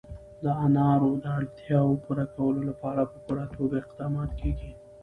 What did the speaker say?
د انارو د اړتیاوو پوره کولو لپاره په پوره توګه اقدامات کېږي.